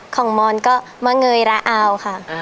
ของมอนก็มะเงยราอาวค่ะ